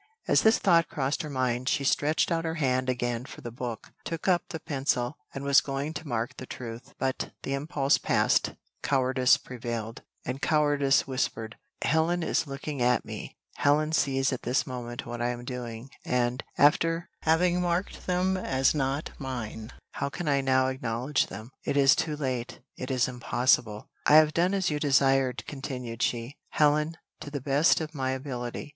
As this thought crossed her mind, she stretched out her hand again for the book, took up the pencil, and was going to mark the truth; but, the impulse past, cowardice prevailed, and cowardice whispered, "Helen is looking at me, Helen sees at this moment what I am doing, and, after having marked them as not mine, how can I now acknowledge them? it is too late it is impossible." "I have done as you desired," continued she, "Helen, to the best of my ability.